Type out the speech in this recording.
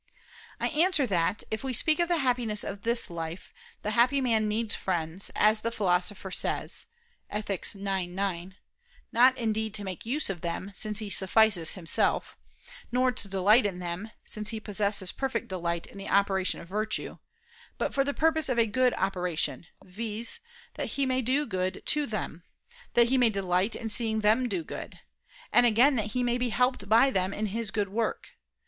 I answer that, If we speak of the happiness of this life, the happy man needs friends, as the Philosopher says (Ethic. ix, 9), not, indeed, to make use of them, since he suffices himself; nor to delight in them, since he possesses perfect delight in the operation of virtue; but for the purpose of a good operation, viz. that he may do good to them; that he may delight in seeing them do good; and again that he may be helped by them in his good work.